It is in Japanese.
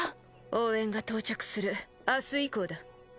応援が到着する明日以降だ。